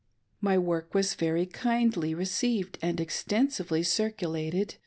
My work was very kindly received and exten» sively circulated!